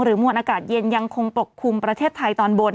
มวลอากาศเย็นยังคงปกคลุมประเทศไทยตอนบน